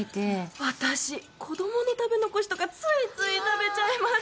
私子供の食べ残しとかついつい食べちゃいます。